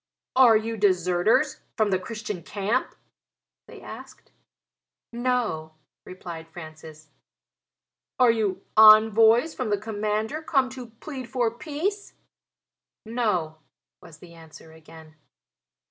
"Are you deserters from the Christian camp?" they asked. "No," replied Francis. "Are you envoys from the commander come to plead for peace?" "No," was the answer again.